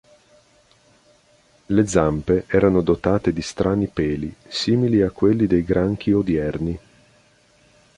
Le zampe erano dotate di strani “peli”, simili a quelli dei granchi odierni.